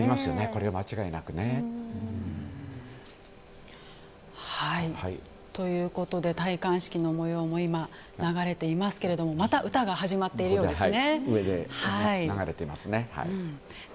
間違いなくね。ということで戴冠式の模様も今、流れていますけれどもまた歌が始まっているようですね。